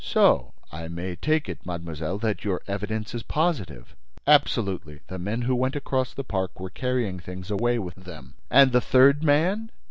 "So I may take it, mademoiselle, that your evidence is positive?" "Absolutely. The men who went across the park were carrying things away with them." "And the third man?"